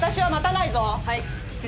はい。